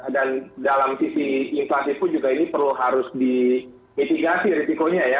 dan dalam sisi inflasif pun juga ini perlu harus dimitigasi risikonya ya